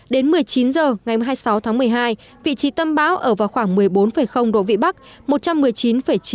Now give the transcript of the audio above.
đến một mươi chín h ngày hai mươi sáu tháng một mươi hai vị trí tâm bão ở vào khoảng một mươi bốn độ vị bắc